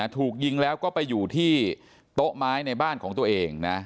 ถูกยิงแล้วก็ไปอยู่ที่โต๊ะไม้ในบ้านของตัวเองนะ